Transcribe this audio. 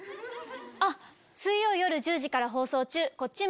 あっ水曜夜１０時から放送中。